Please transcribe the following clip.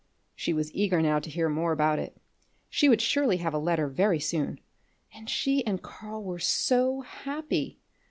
She was eager now to hear more about it. She would surely have a letter very soon. And she and Karl were so happy!